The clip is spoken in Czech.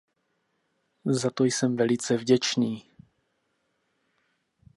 Za to jsem velice vděčný.